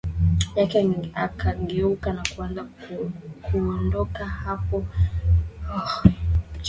yake akageuka na kuanza kuondokaHapo ilikuwa pona yangu Yule anatisha akichukia alisemaHata